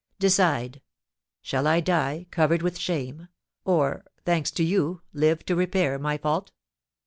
Decide: shall I die covered with shame, or, thanks to you, live to repair my fault?